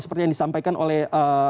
seperti yang disampaikan oleh